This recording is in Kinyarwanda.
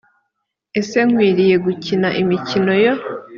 ese nkwiriye gukina imikino yo